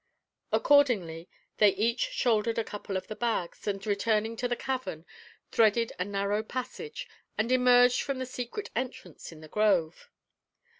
Accordingly, they each shouldered a couple of the bags, and returning to the cavern, threaded a narrow passage, and emerged from the secret entrance in the grove.